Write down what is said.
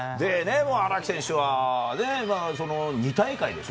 荒木選手は、２大会でしょ。